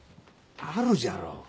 あるじゃろ。